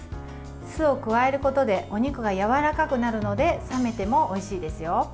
酢を加えることでお肉がやわらかくなるので冷めてもおいしいですよ。